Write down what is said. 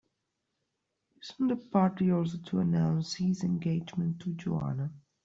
Isn't the party also to announce his engagement to Joanna?